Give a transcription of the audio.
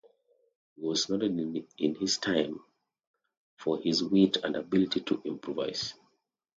He was noted in his time for his wit and ability to improvise.